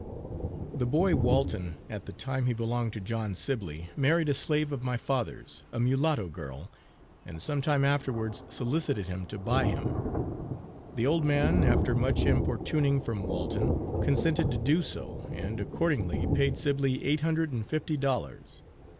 The boy Walton at the time he belonged to John Sibly, married a slave of my father's, a mulatto girl, and sometime afterwards solicited him to buy him; the old man after much importuning from Walton, consented to do so, and accordingly paid Sibly eight hundred and fifty dollars.